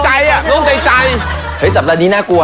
ให้คุณรีบไปที่จุดสิ้นสุดนะครับ